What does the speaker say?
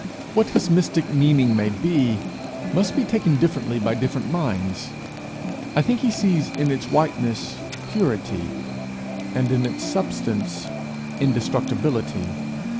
What his mystic meaning may be, must be taken differently by different minds. I think he sees in its whiteness purity, and in its substance indestructibility.